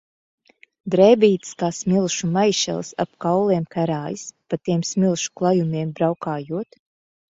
Drēbītes kā smilšu maišelis ap kauliem karājas, pa tiem smilšu klajumiem braukājot.